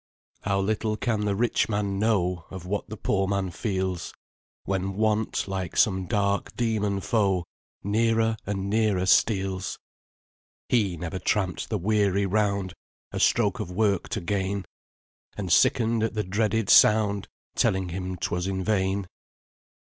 "How little can the rich man know Of what the poor man feels, When Want, like some dark dæmon foe, Nearer and nearer steals! He never tramp'd the weary round, A stroke of work to gain, And sicken'd at the dreaded sound Telling him 'twas in vain.